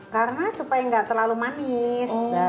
karena supaya nggak terlalu manis dan